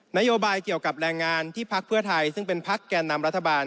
นโยบายเกี่ยวกับแรงงานที่พักเพื่อไทยซึ่งเป็นพักแก่นำรัฐบาล